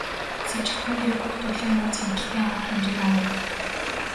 Сэжигтэн дээр бүх төрлийн нууц хяналтын арга хэмжээг авав.